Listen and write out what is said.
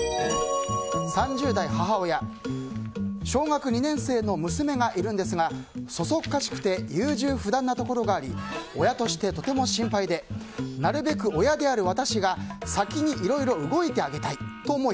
３０代母親小学２年生の娘がいるんですがそそっかしくて優柔不断なところがあり親として、とても心配でなるべく親である私が先にいろいろ動いてあげたいと思い